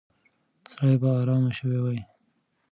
سړی به ارام شوی وي.